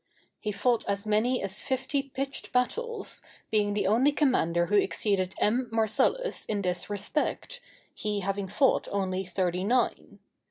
He fought as many as fifty pitched battles, being the only commander who exceeded M. Marcellus in this respect, he having fought only thirty nine.